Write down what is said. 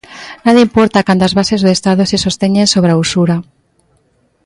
Nada importa cando as bases do Estado se sosteñen sobre a usura.